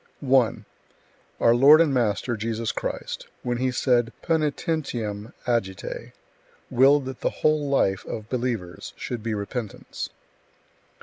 1. Our Lord and Master Jesus Christ, when He said Poenitentiam agite, willed that the whole life of believers should be repentance.